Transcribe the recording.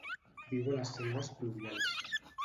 Viu a les selves pluvials.